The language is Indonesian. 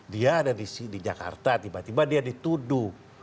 dia ada di jakarta tiba tiba dia dituduh